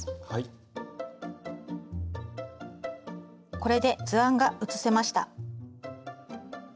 これで図案が写せました。